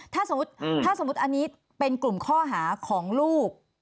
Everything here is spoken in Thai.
ถ้าสมมุติอันนี้เป็นกลุ่มข้อหาของลูก